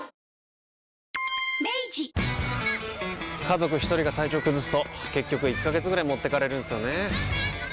家族一人が体調崩すと結局１ヶ月ぐらい持ってかれるんすよねー。